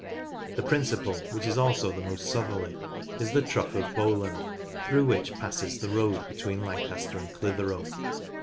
The principal, which is also the most southerly, is the Trough of Bowland, through which passes the road between Lancaster and Clitheroe.